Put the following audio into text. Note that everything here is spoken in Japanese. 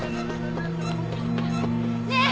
ねえ！